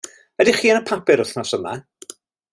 Ydych chi yn y papur wythnos yma?